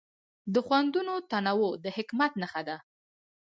د خوندونو تنوع د حکمت نښه ده.